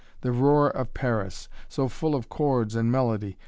The roar of Paris, so full of chords and melody!